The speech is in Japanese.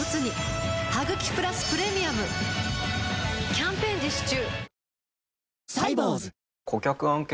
キャンペーン実施中